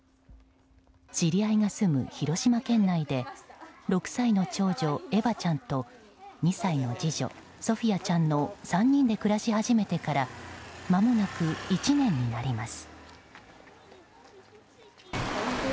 知り合いが住む広島県内で６歳の長女エヴァちゃんと２歳の次女、ソフィアちゃんの３人で暮らし始めてからまもなく１年になります。